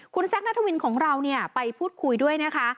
คุณแซคนัทวินของเราไปพูดคุยด้วยนะคะ